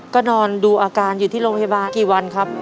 ก็นอนดูอาการอยู่ที่โรงพยาบาลกี่วันครับ